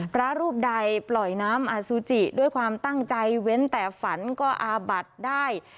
พระรูปใดปล่อยน้ำอสุจิด้วยความตั้งใจเว้นแต่ฝันก็อาบัดได้